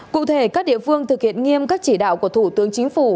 cụ thể các địa phương thực hiện nghiêm các chỉ đạo của thủ tướng chính phủ